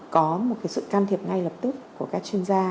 có một sự can thiệp ngay lập tức của các chuyên gia